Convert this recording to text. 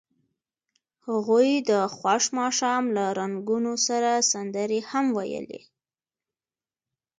هغوی د خوښ ماښام له رنګونو سره سندرې هم ویلې.